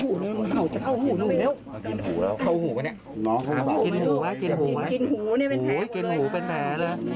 โอ้โฮขาวเต็มเลย